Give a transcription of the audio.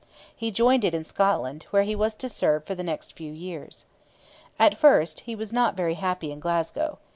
He joined it in Scotland, where he was to serve for the next few years. At first he was not very happy in Glasgow.